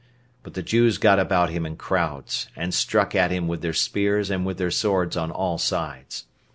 But the Jews got about him in crowds, and struck at him with their spears and with their swords on all sides.